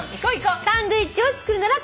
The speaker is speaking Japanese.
「サンドイッチを作るなら」